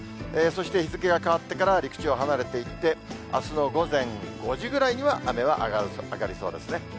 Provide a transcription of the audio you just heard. そして日付が変わってからは、陸地を離れていって、あすの午前５時ぐらいには、雨は上がりそうですね。